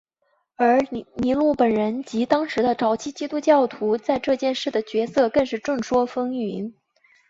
而尼禄本人及当时的早期基督教徒在这件事的角色更是众说纷纭。